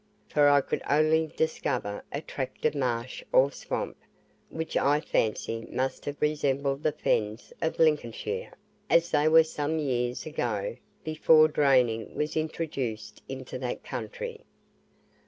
for I could only discover a tract of marsh or swamp, which I fancy must have resembled the fens of Lincolnshire, as they were some years ago, before draining was introduced into that county.